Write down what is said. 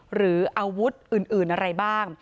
หรืออาวุธอื่นอะไรบ้าง